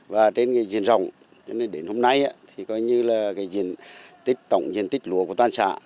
và trên diện rồng nên đến hôm nay thì coi như là tổng diện tích lúa của toàn xã